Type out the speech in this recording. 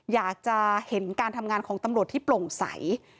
อยากจะเห็นการทำงานของตำรวจที่โปร่งใส